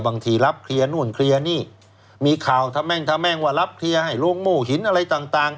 บางทีรับเคลียร์นู่นเคลียร์นี่มีข่าวทะแม่งทะแม่งว่ารับเคลียร์ให้โรงโม่หินอะไรต่าง